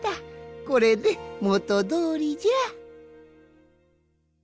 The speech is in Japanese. これでもとどおりじゃ。